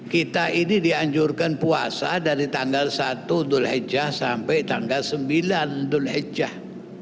kita ini dianjurkan puasa dari tanggal satu dhul hijjah sampai tanggal sembilan dhul hijjah